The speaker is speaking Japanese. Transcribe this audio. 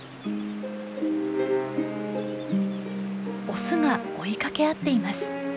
オスが追いかけ合っています。